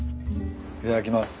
いただきます。